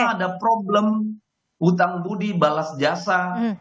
pertama ada problem utang budi balas jasa